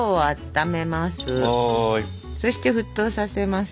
そして沸騰させます。